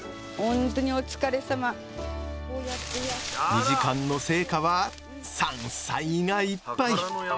２時間の成果は山菜がいっぱい！